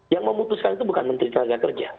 yang memutuskan itu bukan menteri tenaga kerja